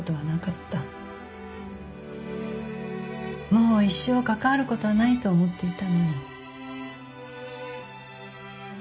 もう一生関わることはないと思っていたのに。